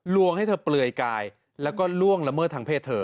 ลวงให้เธอเปลือยกายแล้วก็ล่วงละเมิดทางเพศเธอ